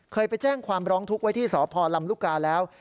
ไปแจ้งความร้องทุกข์ไว้ที่สพลำลูกกาแล้ว